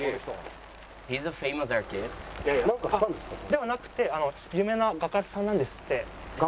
ではなくて有名な画家さんなんですって。